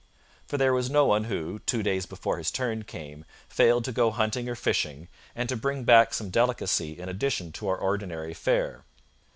For there was no one who, two days before his turn came, failed to go hunting or fishing, and to bring back some delicacy in addition to our ordinary fare.